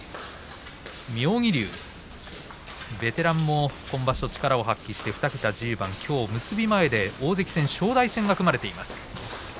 妙義龍、ベテランも今場所力を発揮して２桁１０番きょう結び前で大関戦正代戦が組まれています。